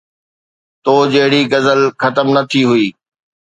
تو جهڙي غزل ختم نه ٿي هئي